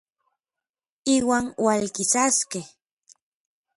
Iuan ualkisaskej.